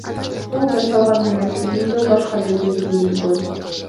Бул жасалган эмес, изилдөө башка жерде жүргүзүлгөн.